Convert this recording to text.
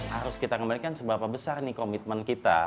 harus kita kembalikan seberapa besar nih komitmen kita